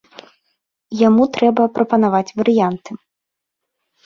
Яму трэба прапанаваць варыянты.